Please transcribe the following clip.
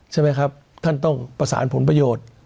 ใช่ไหมครับท่านต้องประสานผลประโยชน์